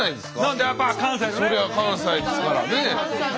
そりゃ関西ですからね。